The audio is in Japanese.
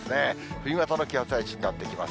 冬型の気圧配置になってきます。